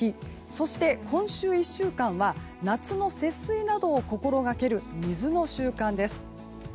そして今週１週間は夏の節水などを心掛ける水の週間です。